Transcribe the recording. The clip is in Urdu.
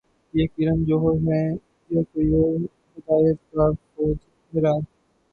یہ کرن جوہر ہیں یا کوئی اور ہدایت کار خود حیران